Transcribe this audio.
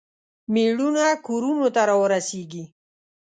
میړونه کورونو ته راورسیږي.